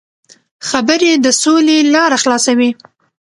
خبرې د سولې لاره خلاصوي.